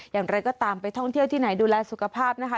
อย่างไรก็ตามไปท่องเที่ยวที่ไหนดูแลสุขภาพนะคะ